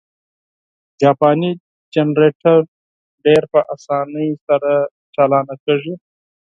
جاپانی جنرټور ډېر په اسانۍ سره چالانه کېږي.